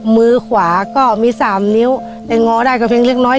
มือขวาก็มี๓นิ้วแต่งอได้ก็เพียงเล็กน้อย